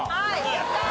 やったー！